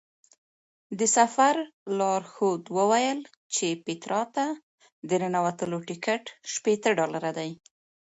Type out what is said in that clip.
د سفر لارښود وویل چې پیترا ته د ننوتلو ټکټ شپېته ډالره دی.